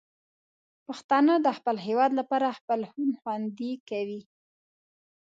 پښتانه د خپل هېواد لپاره خپل خون خوندي کوي.